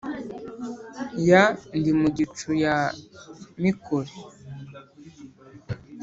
ya ndimugicu ya mikore